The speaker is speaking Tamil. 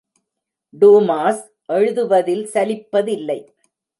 டூமாஸ் எழுதுவதில் சலிப்பதில்லை.